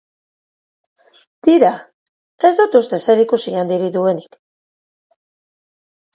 Tira, ez dut uste zerikusi handirik duenik.